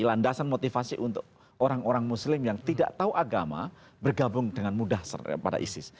landasan motivasi untuk orang orang muslim yang tidak tahu agama bergabung dengan mudah pada isis